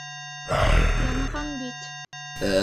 Янған бит!